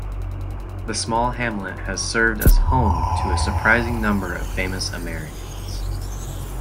The small hamlet has served as home to a surprising number of famous Americans.